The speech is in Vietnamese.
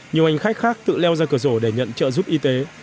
nhiều hành khách khác tự leo ra cửa sổ để nhận trợ giúp y tế